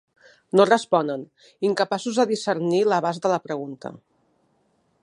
No responen, incapaços de discernir l'abast de la pregunta.